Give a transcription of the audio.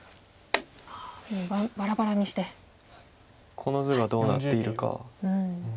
この図がどうなっているか。